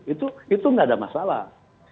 itu tidak ada masalah